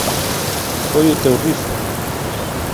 Foi o teu rifle!